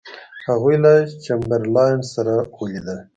هغوی له چمبرلاین سره ولیدل.